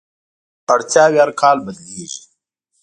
د پیرودونکو اړتیاوې هر کال بدلېږي.